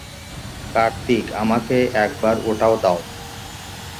কার্তিক, আমাকে একবার ওটা দাও!